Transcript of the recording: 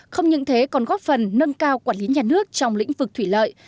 không những thế còn góp phần nâng cao quản lý nhà nước trong lĩnh vực thủy lợi